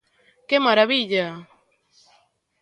¡Que marabilla!